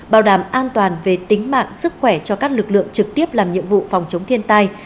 bảo đảm an toàn về tính mạng sức khỏe cho các lực lượng trực tiếp làm nhiệm vụ phòng chống thiên tai